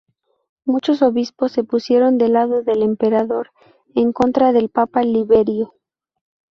Muchos obispos se pusieron del lado del Emperador en contra del papa Liberio.